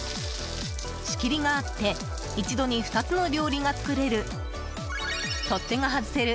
仕切りがあって一度に２つの料理が作れる取っ手が外せる